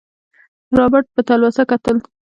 رابرټ په تلوسه کتل.